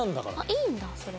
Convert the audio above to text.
いいんだそれ。